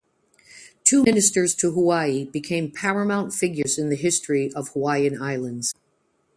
Two Ministers to Hawaii became paramount figures in the history of Hawaiian Islands.